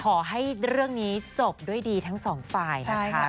ขอให้เรื่องนี้จบด้วยดีทั้งสองฝ่ายนะคะ